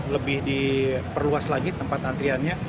lebih diperluas lagi tempat antriannya